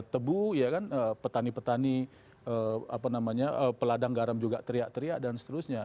tebu petani petani peladang garam juga teriak teriak dan seterusnya